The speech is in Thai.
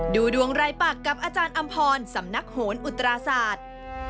ดูดวงรายปากกับอาจารย์อำพรสำนักโหนอุตราศาสตร์